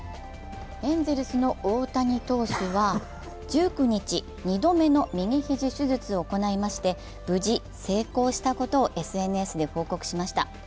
エンゼルスの大谷投手は１９日、２度目の右肘手術を行いまして無事、成功したことをＳＮＳで報告しました。